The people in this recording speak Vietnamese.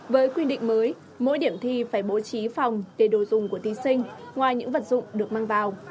với quy định mới mỗi điểm thi phải bố trí phòng để đồ dùng của thí sinh ngoài những vật dụng được mang vào